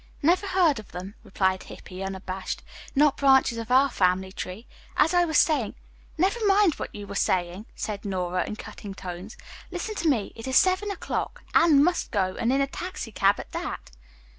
"Never heard of them," replied Hippy unabashed. "Not branches of our family tree. As I was saying " "Never mind what you were saying," said Nora in cutting tones. "Listen to me. It is seven o'clock. Anne must go, and in a taxicab, at that."